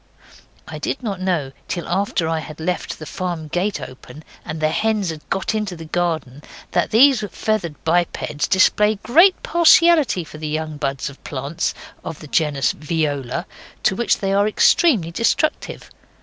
(I did not know till after I had left the farm gate open, and the hens had got into the garden, that these feathered bipeds display a great partiality for the young buds of plants of the genus viola, to which they are extremely destructive.